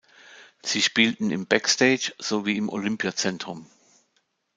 Sie spielten im "Backstage" sowie im Olympiazentrum.